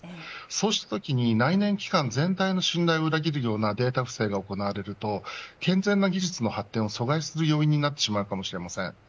そうしたときに内燃機関全体の信頼を裏切るようなデータ不正が行われると健全な技術の発展を阻害する要因になってしまうかもしれません。